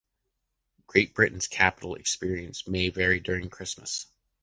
Great Britain capital’s experience may vary during Christmas.